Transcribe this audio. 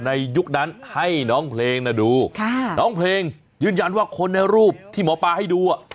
ยุคนั้นให้น้องเพลงน่ะดูน้องเพลงยืนยันว่าคนในรูปที่หมอปลาให้ดู